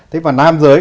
thế và nam giới